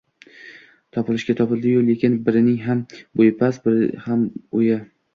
Topilishga topildi-yu, lekin birining ham bo‘yi past, ham o‘yi